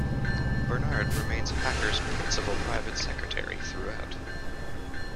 Bernard remains Hacker's principal private secretary throughout.